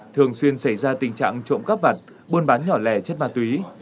thường xuyên xảy ra tình trạng trộm các vật buôn bán nhỏ lẻ chất ma túy